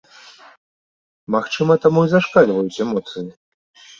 Магчыма таму і зашкальваюць эмоцыі?